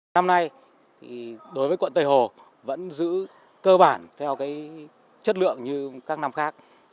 năm nay đối với quận tây hồ vẫn giữ cơ bản theo cái chất lượng như các năm khác